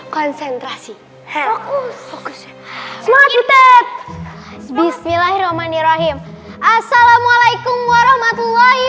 konsentrasi fokus fokus semangat bismillahirrohmanirrohim assalamualaikum warahmatullahi